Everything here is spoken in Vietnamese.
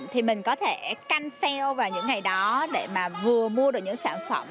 thì mình có thể canh xeo vào những ngày đó để mà vừa mua được những sản phẩm